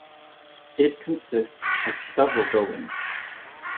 It consists of several buildings.